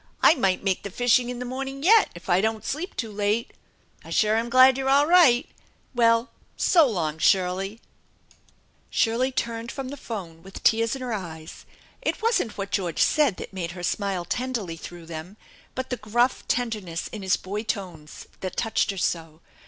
I might make the fishing in the morning yet, if I don't sleep too late. I sure am glad you're all right ! Well, so long, Shirley !" Shirley turned from the phone with tears in her eyes. It wasn't what George said that made her smile tenderly through them, but the gruff tenderness in his boy tones that touched her so.